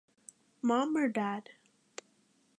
Mom or Dad?